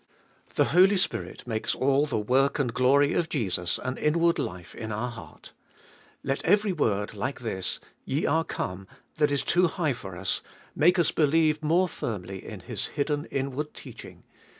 3. The Holy Spirit makes all the work and glory of Jesus an inward life in our heart. Let euery word like this, Ye are come, that is too high for us, make us believe more firmly in His hidden inward teaching.